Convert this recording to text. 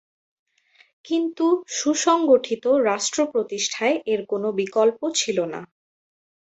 কিন্তু সুসংগঠিত রাষ্ট্র প্রতিষ্ঠায় এর কোন বিকল্প ছিল না।